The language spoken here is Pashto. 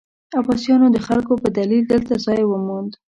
عباسیانو د خلکو په دلیل دلته ځای وموند.